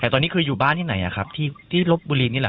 แต่ตอนนี้คืออยู่บ้านที่ไหนครับที่ลบบุรีนี่แหละ